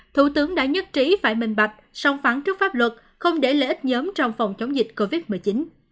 thủ tướng đã nhất trí phải minh bạch song phẳng trước pháp luật không để lợi ích nhóm trong phòng chống dịch covid một mươi chín